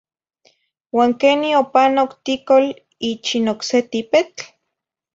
Uan queni opanoc ticol ichin ocse tipetl?